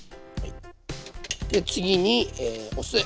で次にお酢。